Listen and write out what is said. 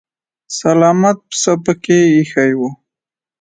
سلامت پسه پکې ايښی و.